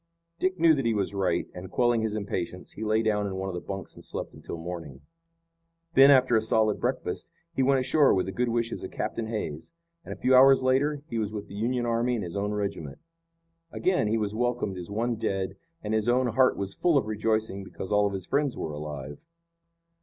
Dick knew that he was right, and, quelling his impatience, he lay down in one of the bunks and slept until morning. Then, after a solid breakfast, he went ashore with the good wishes of Captain Hays, and, a few hours later, he was with the Union army and his own regiment. Again he was welcomed as one dead and his own heart was full of rejoicing because all of his friends were alive.